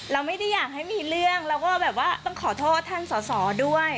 เราไม่ได้อยากให้มีเรื่องแล้วก็แบบว่าต้องขอโทษท่านสอสอด้วย